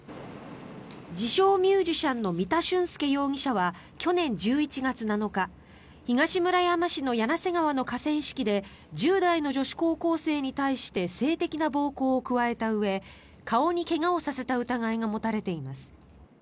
自称・ミュージシャンの三田駿介容疑者は去年１１月７日、東村山市の柳瀬川の河川敷で１０代の女子高校生に対して性的な暴行を加えたうえ顔に怪我をさせた疑いが持たれています。